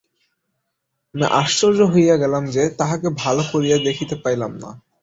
আমি আশ্চর্য হইয়া গেলাম যে, তাহাকে ভালো করিয়া দেখিতেই পাইলাম না।